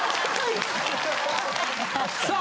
さあ。